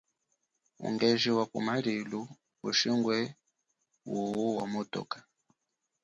Ungeji wa kumalilu ushi ungeji ngwe wuwu wa motoka.